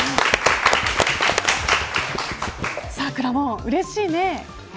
くらもん、うれしいね。